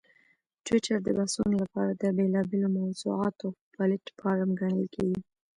ټویټر د بحثونو لپاره د بېلابېلو موضوعاتو پلیټفارم ګڼل کېږي.